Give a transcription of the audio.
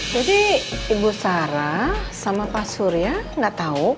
jadi ibu sarah sama pak surya gak tau